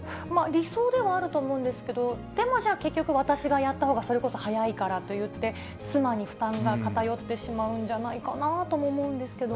理想ではあると思うんですけど、でもじゃあ、結局、私がやった方が、それこそ早いからといって、妻に負担が偏ってしまうんじゃないかなと思うんですけども。